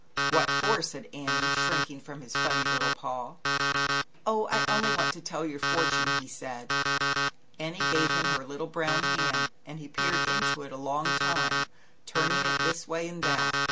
"What for," said Annie, shrink ing from his funny little paw. "Oh, I only want to tell your fortune," said he. Annie gave him her little brown hand, and he peered into it a long time turn ing it this way and that.